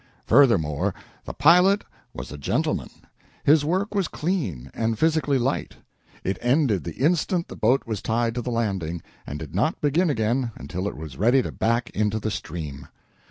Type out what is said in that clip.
Furthermore, the pilot was a gentleman. His work was clean and physically light. It ended the instant the boat was tied to the landing, and did not begin again until it was ready to back into the stream.